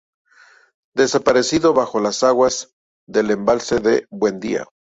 Desaparecido bajo las aguas del embalse de Buendía.